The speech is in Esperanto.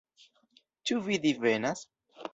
Ĉu vi divenas?